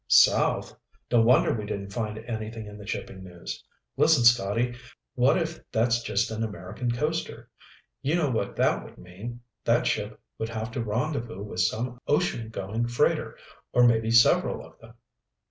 "South? No wonder we didn't find anything in the shipping news. Listen, Scotty, what if that's just an American coaster? You know what that would mean? That ship would have to rendezvous with some ocean going freighter, or maybe several of them."